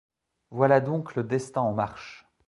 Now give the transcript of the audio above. Voilà donc le destin en marche.